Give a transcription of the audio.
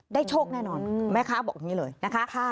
โชคแน่นอนแม่ค้าบอกอย่างนี้เลยนะคะ